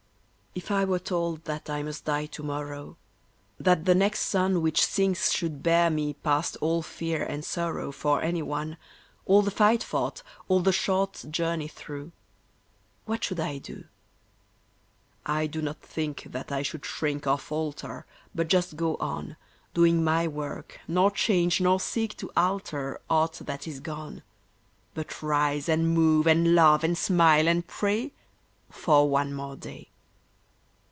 If I were told that I must die to morrow, That the next sun Which sinks should bear me past all fear and sorrow For any one, All the fight fought, all the short journey through: What should I do? I do not think that I should shrink or falter, But just go on, Doing my work, nor change, nor seek to alter Aught that is gone; But rise and move and love and smile and pray For one more day.